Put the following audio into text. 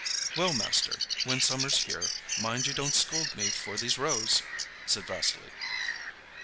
"Well, master, when summer's here, mind you don't scold me for these rows," said Vassily.